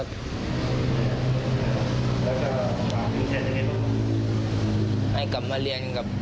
แจ้งข้อหาเพิ่มกับ